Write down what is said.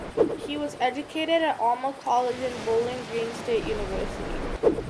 He was educated at Alma College and Bowling Green State University.